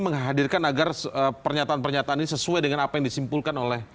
menghadirkan agar pernyataan pernyataan ini sesuai dengan apa yang disimpulkan oleh